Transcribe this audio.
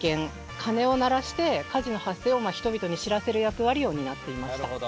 鐘を鳴らして火事の発生を人々に知らせる役割を担っていました。